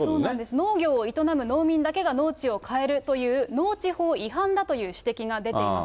農業を営む農民だけが農地を買えるという農地法違反だという指摘が出ています。